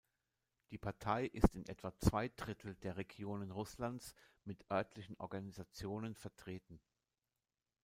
Die Partei ist in etwa zwei Drittel der Regionen Russlands mit örtlichen Organisationen vertreten.